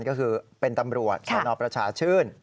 ก็คือเป็นตำรวจสนประชาชื่น